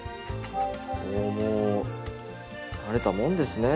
おおもう慣れたもんですね！